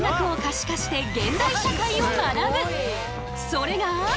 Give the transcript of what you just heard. それが。